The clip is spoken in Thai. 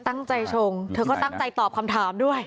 ชงเธอก็ตั้งใจตอบคำถามด้วย